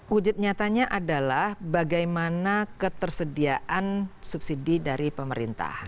wujud nyatanya adalah bagaimana ketersediaan subsidi dari pemerintah